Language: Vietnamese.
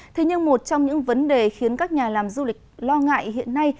thế nhưng một trong những vấn đề khiến các nhà làm du lịch lo ngại hiện nay